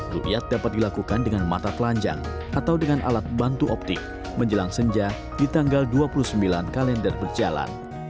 rukyat dapat dilakukan dengan mata telanjang atau dengan alat bantu optik menjelang senja di tanggal dua puluh sembilan kalender berjalan